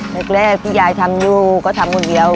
แรกที่ยายทำอยู่ก็ทำคนเดียว